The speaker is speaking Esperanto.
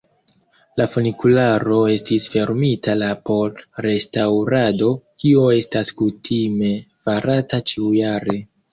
La funikularo estis fermita la por restaŭrado, kio estas kutime farata ĉiujare.